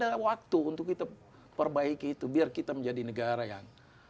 ada waktu untuk kita perbaiki itu biar kita menjadi negara yang